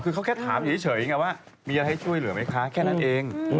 คือเขาแค่ถามเฉยไงว่ามีอะไรให้ช่วยเหลือไหมคะแค่นั้นเอง